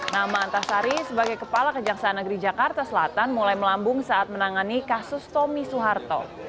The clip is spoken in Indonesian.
nama antasari sebagai kepala kejaksaan negeri jakarta selatan mulai melambung saat menangani kasus tommy soeharto